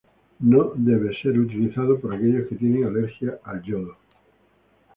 No debe ser utilizado por aquellos que tienen alergia al yodo.